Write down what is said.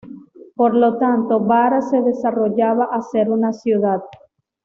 Por lo tanto Vara se desarrollaba a ser una ciudad.